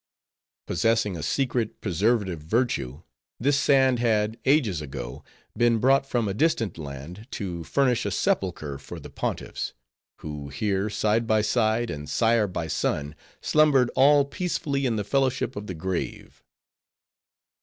Possessing a secret, preservative virtue, this sand had, ages ago, been brought from a distant land, to furnish a sepulcher for the Pontiffs; who here, side by side, and sire by son, slumbered all peacefully in the fellowship of the grave.